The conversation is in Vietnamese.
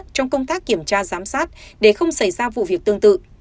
trong công tác kiểm tra giám sát để không xảy ra vụ việc tương tự